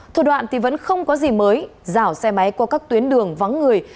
thủ đoạn thì vẫn không có gì mới giả xe máy qua các tuyến đường vắng người